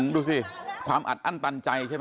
ดูสิความอัดอั้นตันใจใช่ไหม